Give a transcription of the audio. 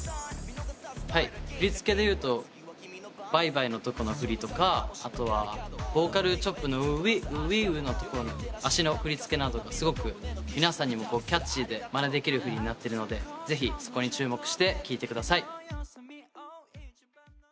振り付けでいうと「ＢｙｅＢｙｅ」のとこの振りとか後はボーカルチョップの「ＯｏｈｗｅｅＯｏｈｗｅｅＯｏｈ」のところの足の振り付けなどがすごく皆さんにもキャッチーでまねできる振りになってるのでぜひそこに注目して聴いてください。